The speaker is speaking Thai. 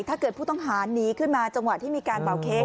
ถ้าเกิดผู้ต้องหาหนีขึ้นมาจังหวะที่มีการเป่าเค้ก